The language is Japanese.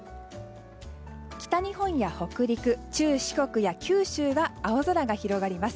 北日本や北陸、中四国や九州は青空が広がります。